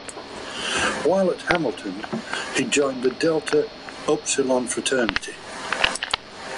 While at Hamilton, he joined The Delta Upsilon Fraternity.